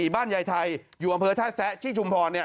๔๑๔บ้านใยไทยอยู่อำเภอท่าแซะชิ้นชุมพร